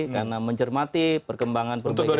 karena mencermati perkembangan perusahaan